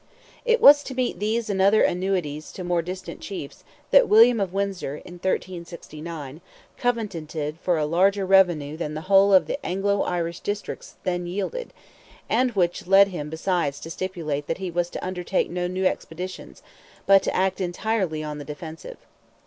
It was to meet these and other annuities to more distant chiefs, that William of Windsor, in 1369, covenanted for a larger revenue than the whole of the Anglo Irish districts then yielded, and which led him besides to stipulate that he was to undertake no new expeditions, but to act entirely on the defensive.